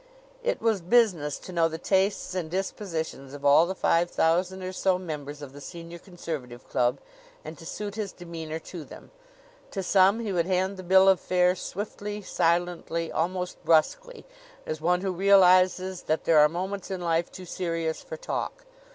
It was business to know the tastes and dispositions of all the five thousand or so members of the Senior Conservative Club and to suit his demeanor to them. To some he would hand the bill of fare swiftly, silently, almost brusquely, as one who realizes that there are moments in life too serious for talk.